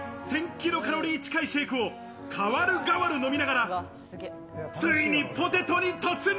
ｋｃａｌ近いシェイクを代わる代わる飲みながら、ついにポテトに突入！